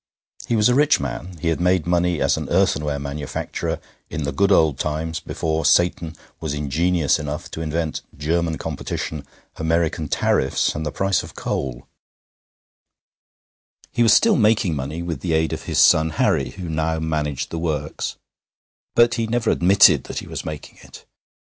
He was a rich man; he had made money as an earthenware manufacturer in the good old times before Satan was ingenious enough to invent German competition, American tariffs, and the price of coal; he was still making money with the aid of his son Harry, who now managed the works, but he never admitted that he was making it.